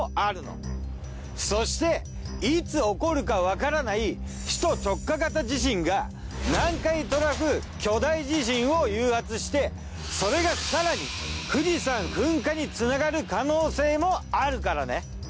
そしていつ起こるかわからない首都直下型地震が南海トラフ巨大地震を誘発してそれが更に富士山噴火につながる可能性もあるからね。